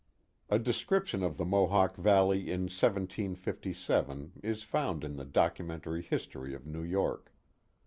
A description of the Mohawk Valley in 1757 is found in the documentary history of New York.